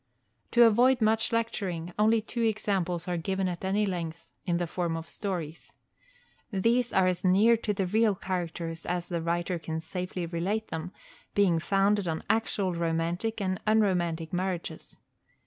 To avoid much lecturing, only two examples are given at any length, in the form of stories. These are as near to the real characters as the writer can safely relate them, being founded on actual romantic and unromantic marriages.